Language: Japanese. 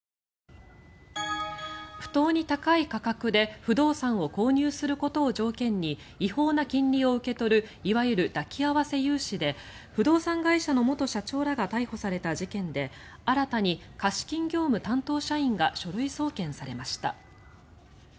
不当に高い価格で不動産を購入することを条件に違法な金利を受け取るいわゆる抱き合わせ融資で不動産会社の元社長らが逮捕された事件で新たに貸金業務担当社員が書類送検されました。